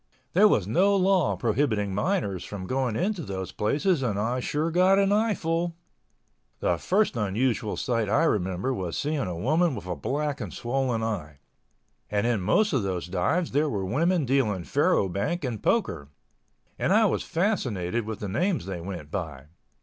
There was no law prohibiting minors from going into those places and I sure got an eyeful! The first unusual sight I remember was seeing a woman with a black and swollen eye. And in most of those dives there were women dealing faro bank and poker—and I was fascinated with the names they went by.